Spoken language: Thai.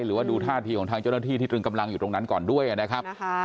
หรือว่าดูท่าทีของทางเจ้าหน้าที่ที่ตรึงกำลังอยู่ตรงนั้นก่อนด้วยนะครับ